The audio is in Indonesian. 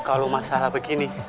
kalau masalah begini